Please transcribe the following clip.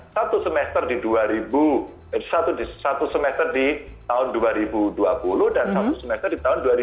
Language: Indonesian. satu semester di dua ribu satu semester di tahun dua ribu dua puluh dan satu semester di tahun dua ribu dua puluh